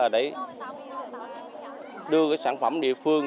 để đưa sản phẩm địa phương